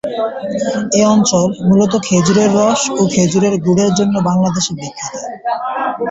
এ অঞ্চল মূলত খেজুর রস ও খেজুর গুড়ের জন্য বাংলাদেশে বিখ্যাত।